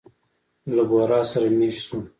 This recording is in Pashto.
له بورا سره مېشت شوو.